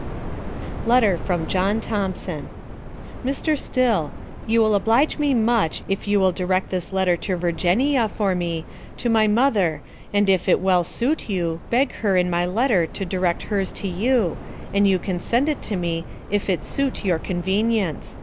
LETTER FROM JOHN THOMPSON. MR. STILL: You will oblige me much Iff you will Direct this Letter to Vergenia for me to my Mother & iff it well sute you Beg her in my Letter to Direct hers to you & you Can send it to me iff it sute your Convenience.